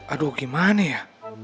aduh gimana ya